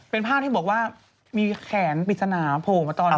เป็นภาพที่บอกว่ามีแขนปริศนาโผล่มาตอนนี้